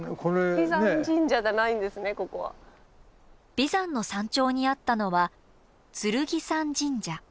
眉山の山頂にあったのは剣山神社。